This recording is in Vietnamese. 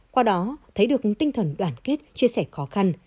qua đó thấy được tinh thần đoàn kết chia sẻ khó khăn